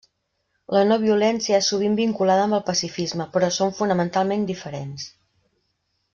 La no-violència és sovint vinculada amb el pacifisme però són fonamentalment diferents.